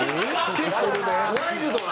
結構ワイルドな。